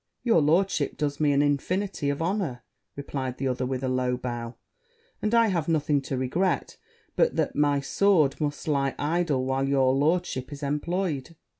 'Your lordship does me an infinity of honour,' replied the other with a low bow, 'and I have nothing to regret, but that my sword must lie idle while your lordship's is employed.'